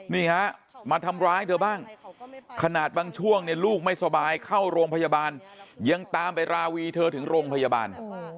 นี่ฮะมาทำร้ายเธอบ้างขนาดบางช่วงเนี่ยลูกไม่สบายเข้าโรงพยาบาลยังตามไปราวีเธอถึงโรงพยาบาล